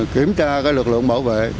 kiểm tra cái lực lượng bảo vệ